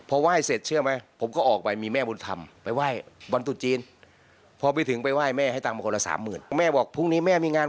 เราได้อะไรว่าไม่ได้หมดเงิน